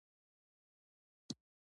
پکتیکا د افغانستان د جغرافیې بېلګه ده.